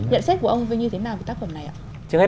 nhận xét của ông như thế nào về tác phẩm này